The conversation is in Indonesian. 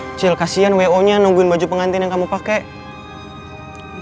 kecil kasihan wo nya nungguin baju pengantin yang kamu pakai